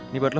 ini buat lo